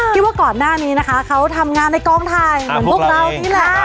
ที่ว่าก่อนหน้านี้นะคะเขาทำงานในกองถ่ายเหมือนพวกเรานี่แหละ